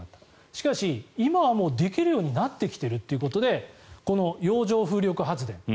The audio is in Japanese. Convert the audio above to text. しかし、今はもうできるようになってきているということでこの洋上風力発電。